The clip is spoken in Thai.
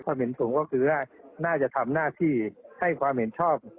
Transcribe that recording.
เห็นสูงก็คือว่าน่าจะทำหน้าที่ให้ความเห็นชอบ